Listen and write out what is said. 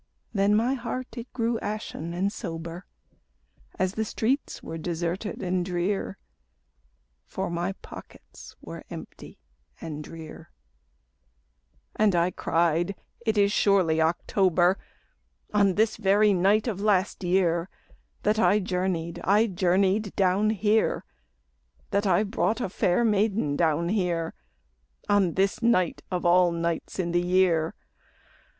Then my heart it grew ashen and sober, As the streets were deserted and drear, For my pockets were empty and drear; And I cried: "It was surely October, On this very night of last year, That I journeyed, I journeyed down here, That I brought a fair maiden down here, On this night of all nights in the year!